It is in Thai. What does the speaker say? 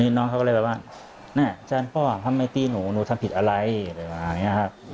นี่น้องเขาก็เลยแบบว่าเนี่ยอาจารย์ป่อทำไมตีหนูหนูทำผิดอะไรอะไรแบบนี้ครับ